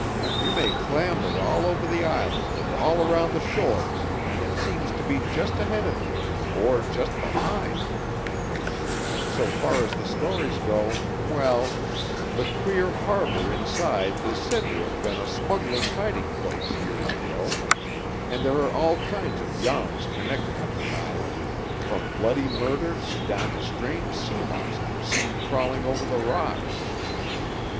You may clamber all over the island and all around the shores and it seems to be just ahead of you, or just behind; so far as the stories go, well; the queer harbor inside is said to have been a smuggler's hiding place years ago, and there are all kinds of yarns connected with the island, from bloody murders down to strange sea monsters seen crawling over the rocks.